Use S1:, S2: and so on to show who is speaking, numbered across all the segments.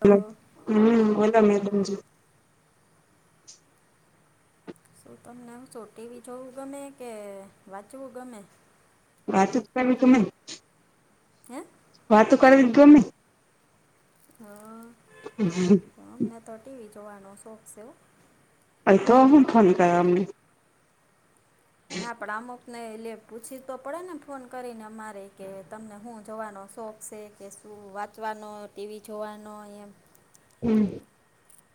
S1: તો
S2: હમમ મળે નિતો બીજું
S1: શું તમને શું ટીવી જોવું ગમે કે વાંચવું ગમે?
S2: વાંચવું જ તમને ગમે ને.
S1: હે
S2: વાતો કરવી તો ગમે ને.
S1: હા.
S2: હમમ.
S1: હા અમને તો ટીવી જોવાનો શોખ છે.
S2: એ તો અમે [unintelligible] કરવાનું
S1: ના પણ અમુક ને એલે પૂછી તો પડે ને ફોન કરીને અમારે કે તમને હું જોવાનો શોખ શે કે શું વાંચવાનો, ટીવી જોવાનો એમ
S2: હમમ.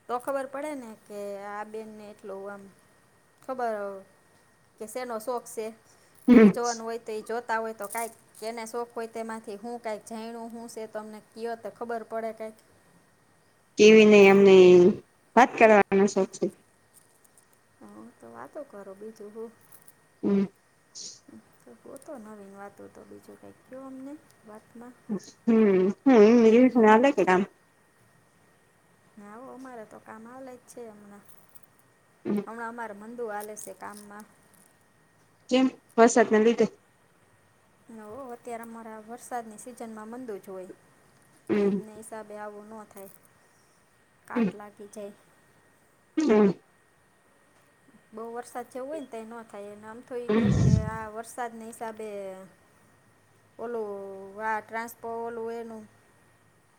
S1: તો ખબર પડે ને કે આ બેનને એટલું એમ ખબર કે શેનો શોખ છે ટીવી જોવાનું હોય તે જોતા હોય તો કંઈ કેને શોખ હોય તેમાંથી હું કઈક જાણવા હું છે તમને કીયો તો ખબર પડે કઈક.
S2: ટીવી ને અમને વાત કરવાનો શોખ છે.
S1: હા તો વાતો કરો બીજું હું.
S2: હમમ.
S1: તો ગોતો નવીન વાતો તો બીજું કંઈક કેવો અમને. વાત માં
S2: હમમ હમમ એ યોજને હાલે કે ના
S1: હા હો અમારે તો કામ હાલે જ છે હમણાં.
S2: હમમ.
S1: હમણાં અમારે મંદી હાલે છે કામમાં.
S2: કેમ? વરસાદ ને લીધે
S1: હા હો અત્યારે અમારા વરસાદની સિઝન માં મંદી જ હોય. ભેજ
S2: હમ
S1: ના હિસાબે આવું ન થાય કાટ લાગી જાય
S2: હમ
S1: બઉ વરસાદ જેવું હોય તઈ નો થાયને આમ થય કેમ કે
S2: હમ
S1: આ વર વરસાદના હિસાબે ઓલું [unintelligible] એનું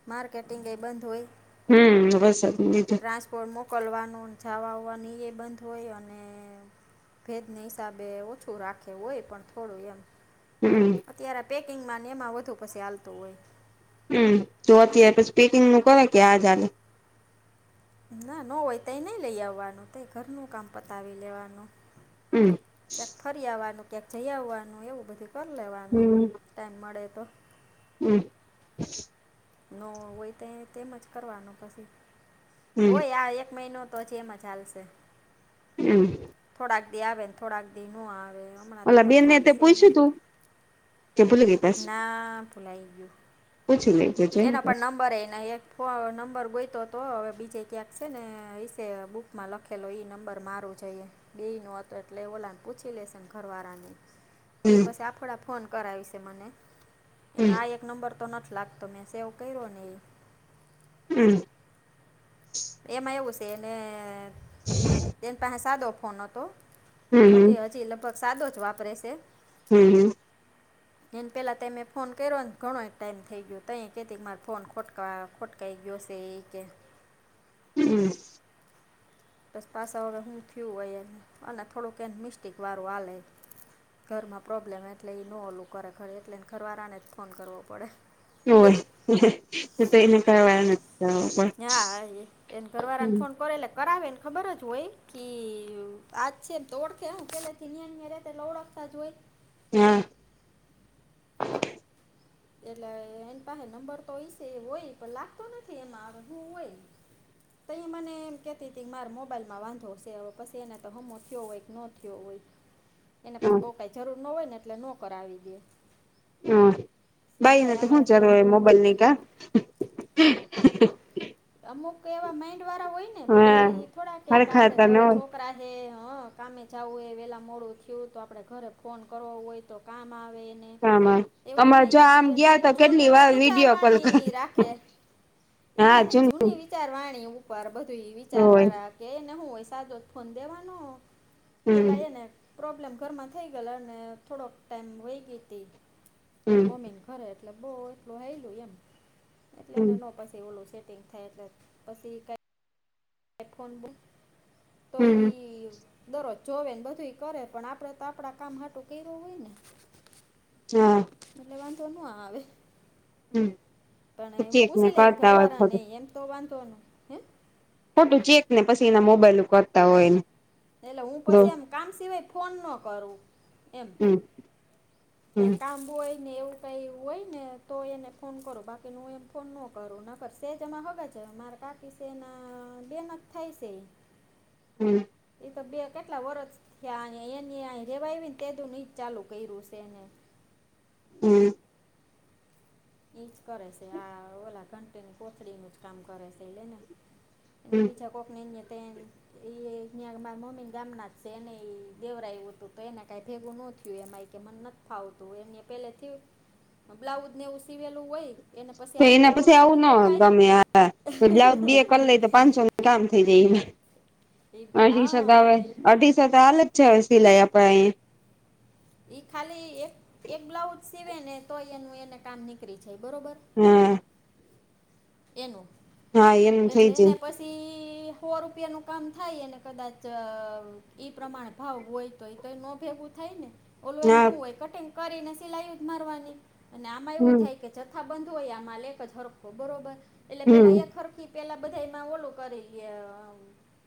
S1: માર્કેટિંગ એ બંધ હોય
S2: હમ વરસાદ ના લીધે
S1: ટ્રાન્સપોર્ટ મોકલવાનો જવા હોવાની એ બંધ હોય અને ભેજના હિસાબે ઓછું રાખે હોય પણ થોડું એમ
S2: હમમ
S1: અત્યારે પેકિંગમાં ને એમાં વધુ પછી હાલતું હોય.
S2: હમ તો અત્યારે પછી પેકિંગ નું કરે કે આજાલે
S1: ના નો હોય ત નઈ લઈ આવવાનું તઈ ઘરનું કામ પતાવી લેવાનું.
S2: હમ
S1: ક્યાંક ફરી આવવાનું ક્યાંક જઈ આવવાનું એવું બધું કરી લેવાનું
S2: હમ
S1: ટાઈમ મળે તો
S2: હમ
S1: ન હોય તો તેમજ કરવાનો પછી
S2: હમ
S1: હોય આ એક મહિનો તો જ એમજ હાલશે
S2: હમ
S1: થોડાક દી આવે ને થોડાક દી ન આવે હમણાં તો
S2: ઓલા
S1: કઈ
S2: બેનને
S1: કામ
S2: તે
S1: છે
S2: પૂછ્યું
S1: નઈ
S2: તું કે ભૂલી ગઈ પાછું
S1: ના ભૂલાય ગયું.
S2: પૂછી લેજે
S1: એના પણ નંબર એને એક ફ નંબર ગોઈતો તો હવે બીજે ક્યાંક છે ને એશે બુકમાં લખેલો એ નંબર મા [inaudible] બે નો હતો એટલે ઓલાને પૂછી લેશે ઘરવાળાની એ
S2: હમ
S1: પછી આફડા ફોન કરાવી છે મને એનો
S2: હમ
S1: આ એક નંબર તો નથી લાગ તો મેં સેવ કર્યો નહી
S2: હમ
S1: એમાં એવું છે એને તેન પાસે સાદો ફોન હતો.
S2: હમ
S1: જોકે હજી લગભગ સાદો જ વાપરે છે.
S2: હમ
S1: એને પેલા તમે ફોન કર્યોને ઘણો એક ટાઈમ થઈ ગયો તઈ કેતી મારે ફોન ખોટકા ખોટ [inaudible] સેઈ કે
S2: હમ
S1: બસ પાછા વળે હું થયું હોય એ અને થોડુંક એને મિસ્ટેક વાળું આલે ઘરમાં પ્રોબ્લેમ એટલે એ ન ઓલું કરે ખરે એટલેને ઘરવારાને જ ફોન કરવો પડે.
S2: [unintelligible]
S1: હા એને ઘરવાળાને
S2: હમ
S1: ફોન કરેલા કરાવેને ખબર જ હોય કે આજ છે એમ તો [unintelligible] ઓળખતા જ હોય.
S2: [inaudible]
S1: એટલે એની પાસે નંબર તો હોય છે એ હોય પણ લાગતો નથી એમાં શું હોય? તઈ એ મને એમ કહેતી હતી કે માર મોબાઈલમાં વાંધો હશે હવે પછી એને તો હમો થયો હોય કે ન થયો હોય એને પછી
S2: હા
S1: બોઉ કઈ જરૂર ના હોય ને એટલે નો કરાવી દે
S2: હ
S1: બધા
S2: બાઈને તો શું
S1: આપણા
S2: જરૂર
S1: જેવા ન
S2: હોય મોબાઈલ
S1: કે
S2: ની કા
S1: અમુક એવા માઈન્ડ વાળા હોય ને એ બધા થોડા
S2: હા
S1: કે
S2: હરખા
S1: આપડે
S2: તા ન
S1: ઘરે
S2: હોય
S1: છોકરા હે હ કામે જવું હોય વેલા મોડું થયું તો આપડે ઘરે ફોન કરવો હોય તો કામ આવેને એ
S2: [unintelligible]
S1: હજી
S2: તો કેટલી વાર
S1: જૂનું
S2: વિડીયો કોલ કર
S1: વિચારવાની રાખે
S2: હા
S1: એને
S2: જો
S1: જૂની વિ વિચારવાણી ઉપર બધું
S2: હોય
S1: વિચારવાળા કે એને હુંય સાદો ફોન દેવાનો
S2: હમ
S1: પેલા એને પ્રોબ્લેમ ઘરમાં થઈ ગયેલા અને થોડોક ટાઈમ વહી ગઈ હતી.
S2: હમ
S1: એને મમ્મીને કરે એટલે બઉુ એટલું હેલું એમ એટલે
S2: હમ
S1: એને નો પછી ઓલું સેટિંગ થાય એટલે પછી ક હેડફોન બુક તો
S2: હમ
S1: ઈ દરોજ જોવે ને બધું કરે પણ આપડે તો આપણા કામ આટું કર્યું હોય ને
S2: હા
S1: એટલે વાધો ન આ આવે
S2: હમ
S1: પણ એમ
S2: ચેક
S1: પૂછ
S2: ને
S1: લેને
S2: કરતા હોય
S1: ઘરવાળા ને
S2: ખોટું
S1: એમ તો વાંધો ન હે
S2: ખોટું ચેક ને પછી એના મોબાઈલ કરતા હોય ને
S1: એટલે હું પછી એમ કામ સિવાય ફોન ન કરું એમ
S2: હા [unintelligible]
S1: તે કામ બોય એવું કઈ હોય ને તો એને ફોન કરો બાકી ન હ એમ ફોન ન કરું ન કર સેજમાં હગા છે મારે તાકી છેને બેન થાય છે
S2: હમ
S1: એ તો બે કેટલા વરષ થયા એની રેવા આવી ને તેડુની નહી જ ચાલુ કર્યું છે એને
S2: હમ
S1: ઈજ કરે છે આ ઓલા ઘંટી કોથળીનું જ કામ કરે છે એલે ને એને
S2: હમ
S1: બીજા કોકનેને તે એ ત્યાં મારી મમ્મી ગામ ના જ છે એને એ દેવરાયું હતું તો એને કઈ ભેગું નહોતયું એમાં કે મને નથી ફાવતું એને પહેલે થય બ્લાઉઝ ને એવું સીવેલું હોય એને પછી
S2: તો
S1: આની
S2: એના
S1: આવક
S2: પછી આવું
S1: થોડી
S2: ના
S1: દેખાય
S2: ગમે બ્લાઉજ બે કર લઈ તો પાંચસો કામ થઈ જાય એ
S1: એ
S2: અઢીસો
S1: હા
S2: હવે અઢીસો ચાલે ચ સિ લઈ આપ
S1: ઈ ખાલી એક એક બ્લાઉજ સીવે ને તો એનું એને કામ નીકળી જ બરોબર
S2: હા
S1: એનું
S2: હા એનું થઈ
S1: એટલે એને
S2: જાય
S1: પછી સો રૂપિયાનું કામ થાય અને કદાચ ઈ પ્રમાણે ભાવ હોય તો તો એ ન ભેગું થાય ને ઓલુ એન
S2: હા
S1: શું હોય કટિંગ કરીને સિલાઈ જ મારવાની અને આમાં એવું
S2: હમ
S1: થાય કે જથ્ા બંધ હોય આ માલ એક જ હરખો બરોબર એટલે
S2: હમ
S1: પેલા એક હરકી પેલા બધા એમાં ઓલી કરેલી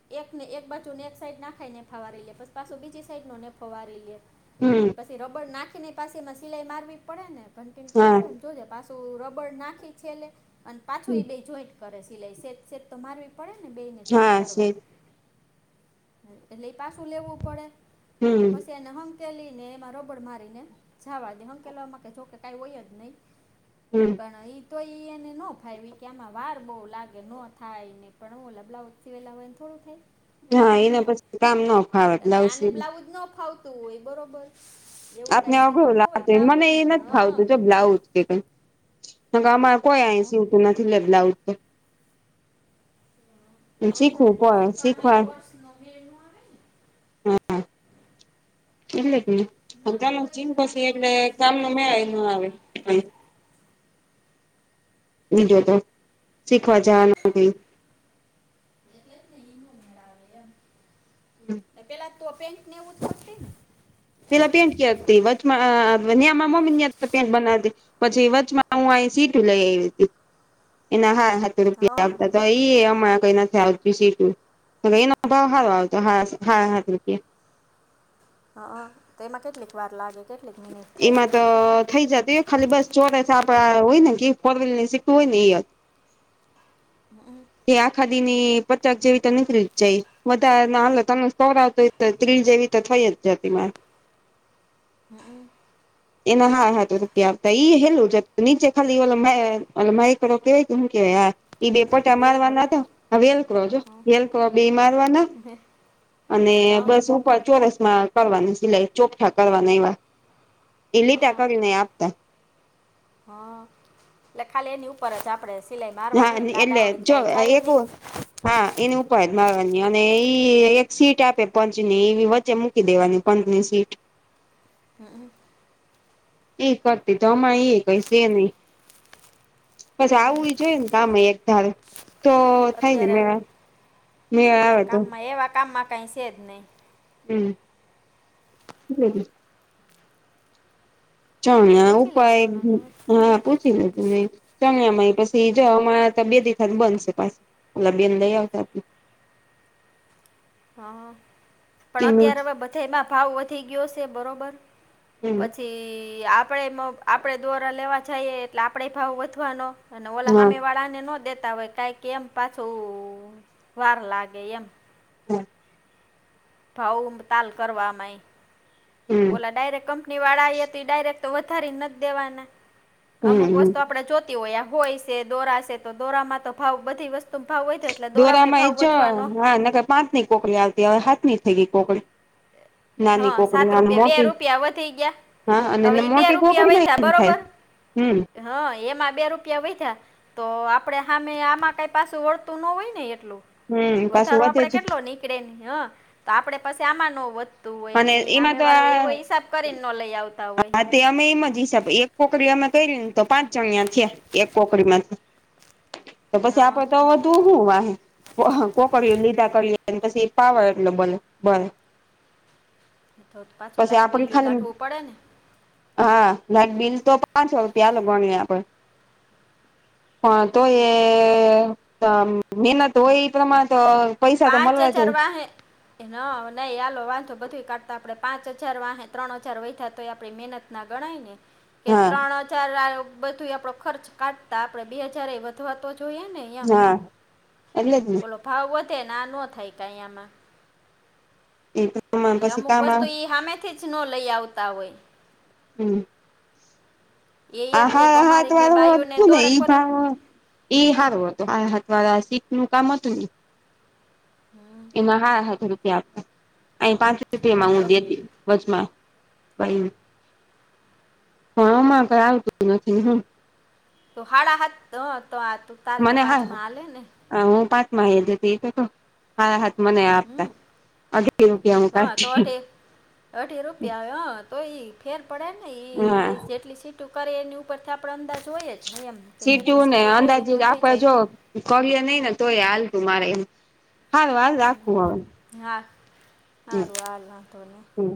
S1: એકને એક બાજુ ને એક સાઈડ નાખાઈને ફાવારી લઈએ પસ પાછું બીજી સાઈડ નો નેફો ફવારી લઈએ
S2: હમ
S1: પછી રબડ નાખી ને પાસેમાં સિલાઈ મારવી પડે ને ભંટીને
S2: હા
S1: કવર હોય જોજે પાછું રબડ નાખી છેલેે અને પાછું એ બે જોઈન્ટ કરે સિલાઈ શ છે તમારી પડે ને બેને જોઈન્ટ
S2: હા
S1: કરવા
S2: છે
S1: એટલે એ પાછું લેવું પડે
S2: હમ
S1: અને પછી અને હમ તેલીને એમાં રોબડ મારીને જાવા દે હાંકેલામાં ક કે કાઈ હોય જ નહીં
S2: હમ
S1: પણ એ તો એ એને નો ભાઈી કે આમાં વાર બહ લાગે ન થાય ને પણ હું બલાઉજ શિવેલા હોય ને થોડું થાય
S2: હા એના પછી કામ ન ફાવે
S1: અને
S2: બ્લાઉઝ
S1: આને
S2: સિવું.
S1: બ્લાઉજ ન ફાવતું હોય બરોબર એવું
S2: આપને
S1: કાંઈ શીખવું
S2: અઘરું
S1: ન હોય
S2: લાગાગે મને એ
S1: બ્લાઉઝનું ને
S2: નથી
S1: હં
S2: ફાવતું જો બ્લાઉજ કે અમારે કોઈ અહી
S1: નો
S2: સીવતું નથી લેલાઉજ તો
S1: પણ
S2: શીખવું
S1: તારે ક
S2: પડે
S1: શીખવાનો એક
S2: શીખવા
S1: વર્ષ નો મેળ ના આવે ને
S2: એટલે જ ને
S1: નાનું
S2: અજ
S1: હોય
S2: ચીન
S1: એટલે
S2: પછ
S1: કાંઈ ન
S2: એટલે
S1: થાય
S2: કામ ન
S1: શીખવા
S2: મે
S1: જવાય
S2: ના
S1: ને
S2: આવે
S1: આ
S2: બીજો તો શીખવા જવાનું કઈ
S1: એ થ હમેરા આવે એમ
S2: હમ
S1: પેલા તો પેન્ટ ને એવું થશે ને
S2: પેલા પેન્ટ કતીચમાં નેમાં મમ્મી ની પેન્ટ બનાવતી પછી વચમાં હું આ સીટું લઈ આવી હતી એના હલા રૂપિયા
S1: હા
S2: આવતા તો એઈ અ કઈ નથી આવતું સીટું તો એનો ભાવ સારો આવતો હારા સાત રૂપિયા
S1: હ તો એમાં કેટલીક વાર લાગે છે
S2: એ મા તો અ થઈ જતું એ ખાલી બસ ચોરા આપડે હોય ને કે ફોર વ્હીલર ની સી્ટું હોય ને એ તે આખાદી ની પચાક જેવી તો નીકળી જ જાય બધા ના હાલત સરા આવતો હોય ત્રિ જેવી તો થઈ જ જાતિમાં.
S1: [unintelligible]
S2: એના હા હાથતો આવતા ઈ હેલું જ નીચે ખાલી ઓ માયક કેવાય હું કેવાય હા. એઈ બેપોટા
S1: વેલ કરો
S2: મારવાના હતા, હ વેલક્રો છો વેલક્રો બે મારવાના
S1: હા
S2: અને
S1: હા
S2: બસ ઉ પર ચોરસમાં કરવાની સિલાઈ, ચોખઠા કરવાના એવા એ લીટા
S1: હા
S2: કરીને આપ
S1: હા એટલે ખાલી એની ઉપર જ આપણેે સિલાઈ
S2: હા
S1: મારવાની એટલે આડા હોડી
S2: જો
S1: કઈ જાય એ
S2: એક
S1: નહી.
S2: હા એની ઉપાય જ મળવાની અને ઈ એક સીટ આપે પંચ ની એ વચ્ચે દેવાની પંંતની સીટ.
S1: હમ્મ.
S2: એ કરતી તો અમા એ એ કૈ છે નહી. બસ આવું એ જોય ને કામમે એક ધારું.
S1: અત્યારે
S2: મેળ આવે
S1: અત્યારે
S2: તો
S1: કામમાં એવા કામમાં કઈ છે જ નહી.
S2: હમ્મ, હમ્મ.
S1: તો
S2: ચણના
S1: પૂછી લઈશ
S2: ઉપાય
S1: ઓલાને
S2: હા પૂછી લે તું મે. જમ્યામાં પછી જવા અમા બે તિથા બંધશે પાછ પલા બે દઈ આવતા.
S1: હા પણ અત્યારે હવે
S2: હમ
S1: બધામાં ભાવ વધી ગયો છે બરોબર પછી થી આપણે આપણે દોરા લેવા જઈએ એટલે આપણે ભાવ વધવાનો. અને ઓલા
S2: હા
S1: સામે વાળાને ન દેતા હોય કંઈક એમ પાછું વાર લાગે એમ.
S2: હમ્મ.
S1: ભાવ તાલ કરવાય.
S2: હમ
S1: ઓલા ડાયરેક કંપની વાળા આઈ હતી ડાયરેક્ટ તો વધારી નથી દેવાના. અમુક
S2: હમ
S1: વસ્તુ આપડે જોતી હોય હોય છે, દોરા છે તો દોરામાં તો ભાવ બધી વસ્તુ ભાવ વયધો એટલે દોરામાંય
S2: દોરામાં એ
S1: ભાવ
S2: જ
S1: વધવાનો.
S2: હા નકર પાંચ ની કોકડી આવતી હવે હાથ ની થઈ ગઈ કોકડી. નાની
S1: હા
S2: કોકડી
S1: સાત
S2: અને
S1: રૂપિયા બે
S2: મોટી
S1: રૂપિયા વધી
S2: હા
S1: ગયા
S2: અને
S1: હવે ઈ બે રૂપિયા વેધા બરોબર?
S2: હમ્મ.
S1: હા એમાં બે રૂપિયા વયધા તો આપડે હામે આમાં કઈ પાસુ વળતું ન હોય ને એટલું.
S2: હમ પાછું
S1: વધારો
S2: વધે
S1: આપડે
S2: જ
S1: કેટલો નીકળે ને હા તો આપડે પછી આમાંનો તું હોય
S2: અને
S1: એટલે આમે
S2: એમાં તો
S1: વાળો એવો
S2: આ
S1: હિસાબ કરીને ન લઈ આવતા હોય.
S2: હા તે અમે એમ જ હિસાબે એક કોકરી અમે કરી ને તો પાંચ જણ્યા છેયા એક કોકરી માંથી. તો પછી આપ
S1: હા
S2: તો તું હું વાહે કોકડ્યું લીતા કર પછી પાવળટ બ બ.
S1: હા તો પાછો
S2: પછી
S1: લાઈટ બિલ
S2: આપડી
S1: બી
S2: ખાલી
S1: કાઢવું પડે ને?
S2: હા લાઇટ બિલ તો પાંચસો રૂપિયા હાલો ગણીએ આપડે. પણ તો એ મહેનત હોય એ પ્રમાણે તો પૈસા તો
S1: પાંચ
S2: મળવા
S1: હજાર
S2: જોઈએ
S1: વાહે. ન નહી આલો વાંધો બધું કાઢતા આપડે પાંચ હજાર વા ત્રણ હજાર વધા તોય આપણી મહેનત ના ગણાયને. કે
S2: હા
S1: ત્રણ હજાર બધું આપડો ખર્ચ કાઢતા આપડે બે હજાર એ વધવા તો જોઈએ ને? એમ.
S2: હા એટલે જ ને
S1: ઓલો ભાવ વધેને આ નો થાય આમાં.
S2: એ તો
S1: એટલે અમુક વસ્તુ ઈ સામેથી જ ન લઈ આવતા હોય.
S2: હમ્મ.
S1: એ એમ કે કે
S2: આહા
S1: અમારે
S2: હાત
S1: કે
S2: વારૂ
S1: બાયોને
S2: હતું ને
S1: દોરા
S2: એઈ
S1: કરે
S2: ભાવ. ઈ સારું હતું આથવા સીખ નું કામ હતું ને. એમાં હા હાજ રૂપિયા આપ અહી પાંચ
S1: એ
S2: રૂપિયામાં
S1: તો
S2: ઊ દે હતી. વજમાં ભાઈ હામાં કઈ આવતું નથી હું.
S1: તો હાડા હા તો આ હતું
S2: મને હા અ હું પાંચ માહ જ હતી એ તો હાડા હાથ મને આપતા અઢી રૂપિયા હું
S1: હા તો
S2: કાઢી
S1: અઢી અઢી રૂપિયા હ તો ઈ ફેર પડે ને
S2: હા
S1: જેટલી સીટ ટુક એની ઉપર થા આપ અંદાજ હોય જ. એમ કે કેટલી
S2: સીટું ને અંદાજ
S1: કરી તો થઈ
S2: આપે જો
S1: જાય
S2: કય નઈ ને તોય હાલતું મારે એમ હાલ વાાલ રાખું હવે
S1: હા
S2: હમ્મ
S1: સારું હાલ વાંધો નહીં
S2: હમ્મ